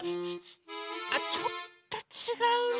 あちょっとちがうな。